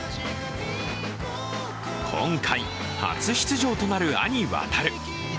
今回、初出場となる兄・航。